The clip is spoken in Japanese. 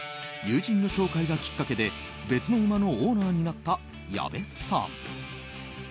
友人の紹介がきっかけで別の馬のオーナーになった矢部さん。